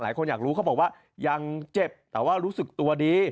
หลายคนอยากรู้เขาบอกว่ายังเจ็บแต่ว่ารู้สึกตัวดี